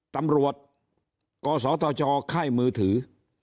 ตำรวจกศธชค่ายมือถือ